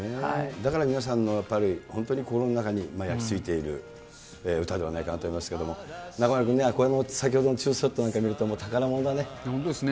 だから皆さんのやっぱり本当に心の中に焼き付いている歌ではないかと思いますけれども、中丸君ね、これも先ほどのツーショット見ると、本当ですね。